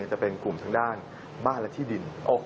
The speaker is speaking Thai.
จะเป็นกลุ่มทางด้านบ้านและที่ดิน